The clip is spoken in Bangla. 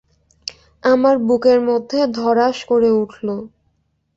আমার বুকের মধ্যে ধড়াস করে উঠল।